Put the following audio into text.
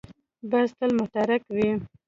باز تل متحرک وي